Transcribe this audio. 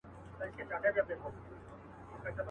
كه موږك هر څه غښتلى گړندى سي.